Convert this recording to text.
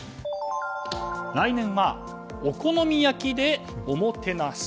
来年はお好み焼きでおもてなし？